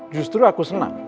justru aku senang